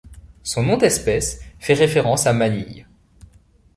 Son nom d'espèce fait référence à Manille.